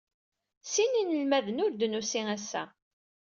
Sin inelmaden ur d-nusi assa.